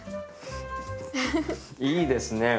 いいですね。